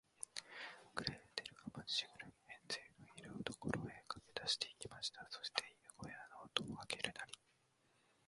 グレーテルは、まっしぐらに、ヘンゼルのいる所へかけだして行きました。そして、犬ごやの戸をあけるなり、